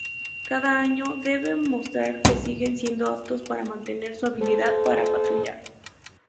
Cada año, deben mostrar que siguen siendo aptos para mantener su habilidad para patrullar.